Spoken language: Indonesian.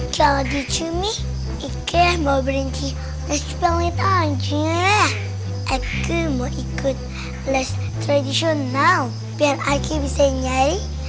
jauh dicumi kemau berhenti ekspon aja aku mau ikut les tradisional biar aku bisa nyari